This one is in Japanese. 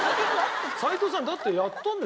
齋藤さんだってやったんでしょ？